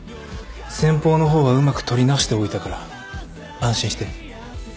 先方の方はうまくとりなしておいたから安心して。